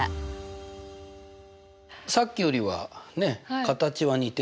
さっきよりは形は似てるけど。